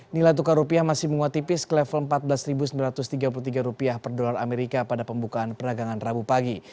nilai tukar rupiah masih menguat tipis ke level empat belas sembilan ratus tiga puluh tiga rupiah per dolar amerika pada pembukaan peragangan rabu pagi